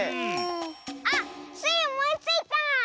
あっスイおもいついた！